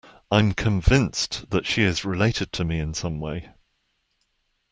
I'm convinced that she is related to me in some way.